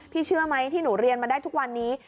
เชื่อไหมที่หนูเรียนมาได้ทุกวันนี้